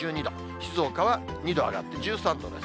静岡は２度上がって１３度です。